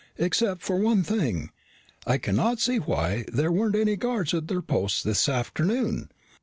"Except for one thing. I cannot see why there weren't any guards at their posts this afternoon.